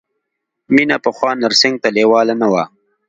مینه پخوا نرسنګ ته لېواله نه وه